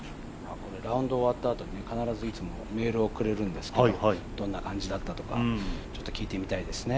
ラウンド終わったあとに必ずいつもメールをくれるんですけどどんな感じだったとか聞いてみたいですね。